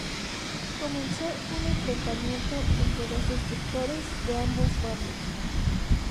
Comenzó un enfrentamientos entre los destructores de ambos bandos.